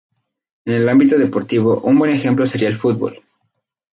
En el ámbito deportivo, un buen ejemplo sería el fútbol.